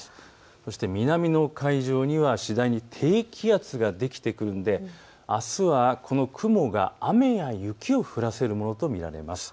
そして南の海上には次第に低気圧ができてくるのであすはこの雲が雨や雪を降らせるものと見られます。